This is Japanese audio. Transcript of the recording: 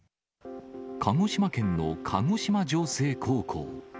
鹿児島県の鹿児島城西高校。